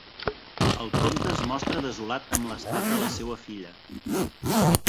El comte es mostra desolat amb l'estat de la seua filla.